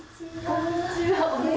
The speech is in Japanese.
こんにちは。